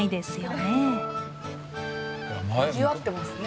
にぎわってますね。